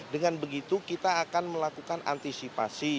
dengan begitu kita akan melakukan antisipasi